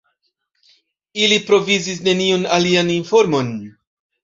Ili provizis neniun alian informon.